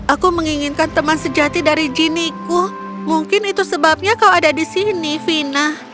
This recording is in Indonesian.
aku menginginkan teman sejati dari jiniku mungkin itu sebabnya kau ada di sini fina